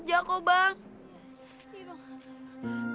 itu apaan buat grano yuk